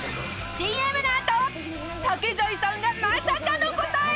［ＣＭの後竹財さんがまさかの答え］